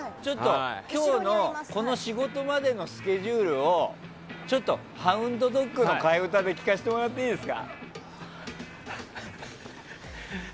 今日の仕事までのスケジュールをちょっとＨＯＵＮＤＤＯＧの替え歌で聴かせてもらっていいですか？